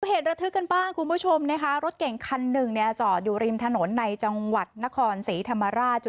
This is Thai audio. เหตุระทึกกันบ้างคุณผู้ชมนะคะรถเก่งคันหนึ่งเนี่ยจอดอยู่ริมถนนในจังหวัดนครศรีธรรมราช